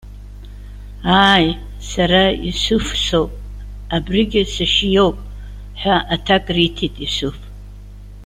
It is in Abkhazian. - Ааи! Сара Иусуф соуп, абригьы сашьа иоуп,- ҳәа аҭак риҭеит Иусуф.